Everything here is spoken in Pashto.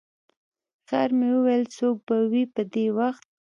خیر مې وویل څوک به وي په دې وخت.